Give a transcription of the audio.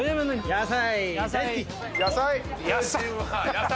野菜！